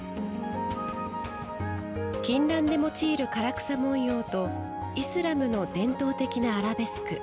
金襴で用いる唐草文様とイスラムの伝統的なアラベスク。